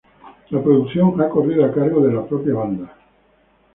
La producción ha corrido a cargo de la propia banda.